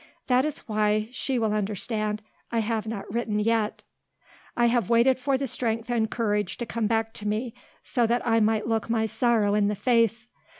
That is why, she will understand, I have not written yet. I have waited for the strength and courage to come back to me so that I might look my sorrow in the face.